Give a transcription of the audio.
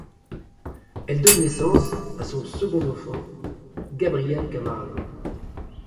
Elle donne naissance à son second enfant, Gabriel Camargo.